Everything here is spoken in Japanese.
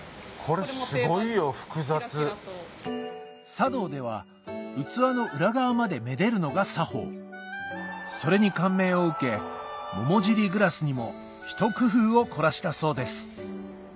茶道では器の裏側まで愛でるのが作法それに感銘を受け桃尻グラスにもひと工夫を凝らしたそうです